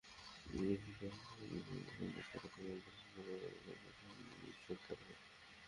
বিশ্ববিদ্যালয় প্রশাসন বৃহস্পতিবার সন্ধ্যা ছয়টা থেকে ক্যাম্পাসে বহিরাগতদের প্রবেশ নিষিদ্ধ করে।